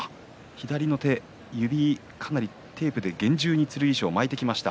左の手かなりテープ厳重に剣翔、巻いてきました。